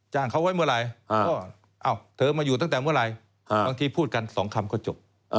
ใช่บางทีพูดกันสองคำก็จบ